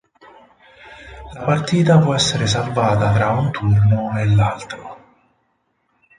La partita può essere salvata tra un turno e l'altro.